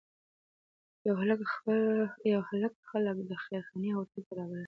یو هلک خلک د خیرخانې هوټل ته رابلل.